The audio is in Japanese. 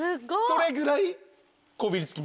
それぐらいこびりつきにくいです。